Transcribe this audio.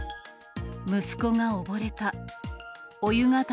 息子が溺れた。